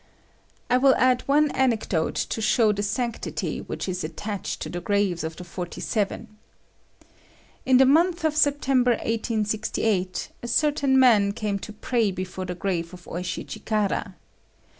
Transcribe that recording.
'" I will add one anecdote to show the sanctity which is attached to the graves of the Forty seven. In the month of September 1868, a certain man came to pray before the grave of Oishi Chikara.